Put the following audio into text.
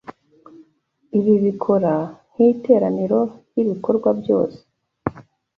Ibi bikora nk'iteraniro ry'ibikorwa byose